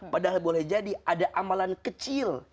padahal boleh jadi ada amalan kecil